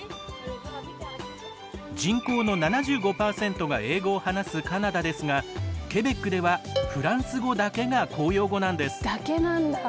人口の７５％が英語を話すカナダですがケベックではフランス語だけが公用語なんです。だけなんだ。